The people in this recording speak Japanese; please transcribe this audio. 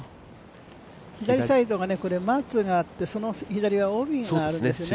左サイドが松があってその左が帯があるんですね。